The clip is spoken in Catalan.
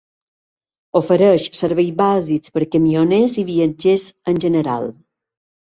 Ofereix serveis bàsics per camioners i viatgers en general.